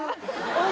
おい！